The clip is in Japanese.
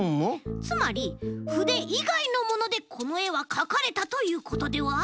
つまりふでいがいのものでこのえはかかれたということでは？